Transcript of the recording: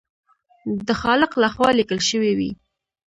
د خالق لخوا لیکل شوي وي.